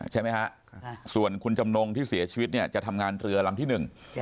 ใช่ไหมฮะส่วนคุณจำนงที่เสียชีวิตเนี่ยจะทำงานเรือลำที่หนึ่ง